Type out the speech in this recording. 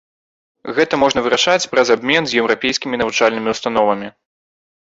Гэта можна вырашаць праз абмен з еўрапейскімі навучальнымі ўстановамі.